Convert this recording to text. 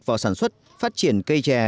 vào sản xuất phát triển cây trè